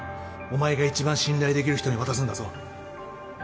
お前が一番信頼できる人に渡すんだぞ